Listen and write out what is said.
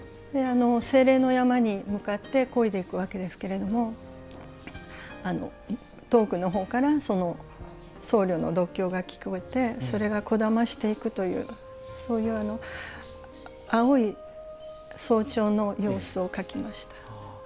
清廉な山に向かってこいでいくわけですけれども遠くのほうから僧侶の読経が聞こえてそれがこだましていくというそういう青い早朝の様子を描きました。